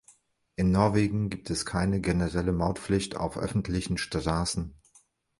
In Norwegen gibt es keine generelle Mautpflicht auf öffentlichen Straßen.